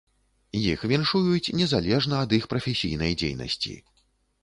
Іх віншуюць незалежна ад іх прафесійнай дзейнасці.